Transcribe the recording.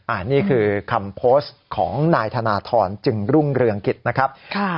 อันนี้คือคำโพสต์ของนายธนทรจึงรุ่งเรืองกิจนะครับ